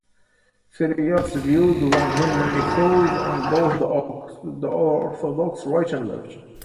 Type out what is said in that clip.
Thiriart's views won him many foes, on both the orthodox right and left.